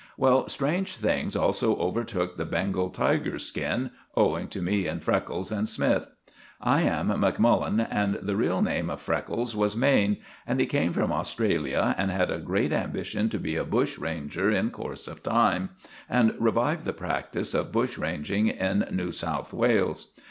Well, strange things also overtook the Bengal tiger's skin, owing to me and Freckles and Smythe. I am Macmullen, and the real name of Freckles was Maine, and he came from Australia and had a great ambition to be a bush ranger in course of time, and revive the practice of bushranging in New South Wales.